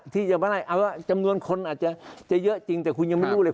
ที่จะไม่ได้เอาว่าจำนวนคนอาจจะเยอะจริงแต่คุณยังไม่รู้เลย